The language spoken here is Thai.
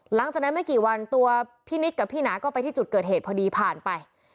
หลังจากนั้นไม่กี่วันตัวพี่นิดกับพี่หนาก็ไปที่จุดเกิดเหตุพอดีผ่านไป